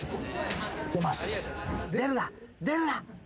出るな出るな！